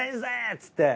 っつって。